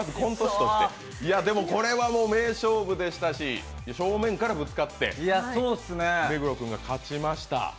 でもこれはもう名勝負でしたし正面からぶつかって目黒君が勝ちました。